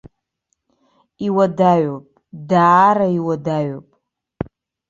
Иуадаҩуп, даара иуадаҩуп.